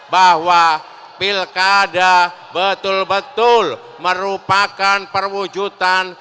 bahwa pilkada betul betul merupakan perwujudan